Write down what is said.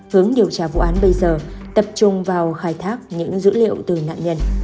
hướng điều tra vụ án bây giờ tập trung vào khai thác những dữ liệu từ nạn nhân